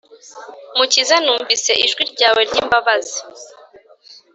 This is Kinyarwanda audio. Mukiza numvise ijwi ryawe ry’imbabazi